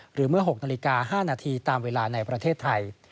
เมื่อ๖นาฬิกา๕นาทีตามเวลาในประเทศไทย